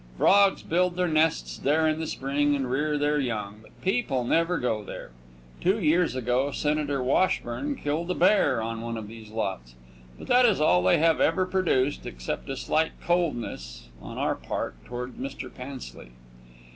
Frogs build their nests there in the spring and rear their young, but people never go there. Two years ago Senator Washburn killed a bear on one of these lots, but that is all they have ever produced, except a slight coldness on our part toward Mr. Pansley.